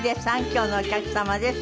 今日のお客様です。